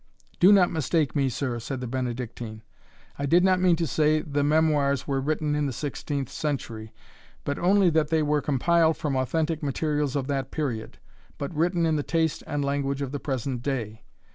"Do not mistake me, sir," said the Benedictine; "I did not mean to say the Memoirs were written in the sixteenth century, but only, that they were compiled from authentic materials of that period, but written in the taste and language of the present day.